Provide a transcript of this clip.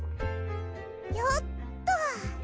よっと。